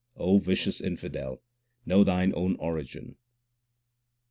O vicious infidel, know thine own origin.